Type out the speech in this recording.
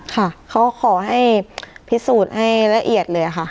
ค่ะเขาขอให้พิสูจน์ให้ละเอียดเลยค่ะ